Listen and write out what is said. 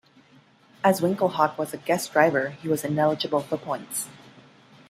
As Winkelhock was a guest driver, he was ineligible for points.